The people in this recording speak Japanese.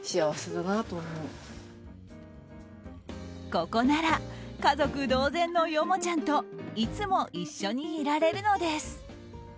ここなら家族同然のヨモちゃんといつも一緒にいられるのです。